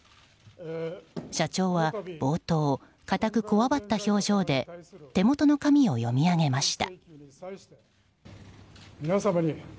社長は冒頭固くこわばった表情で手元の紙を読み上げました。